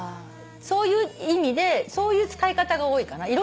そういう意味でそういう使い方が多いかな。